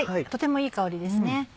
とてもいい香りですね。